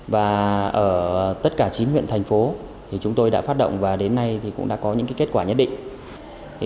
và ở tất cả chín huyện thành phố chúng tôi đã phát động và đến nay cũng đã có những kết quả nhất định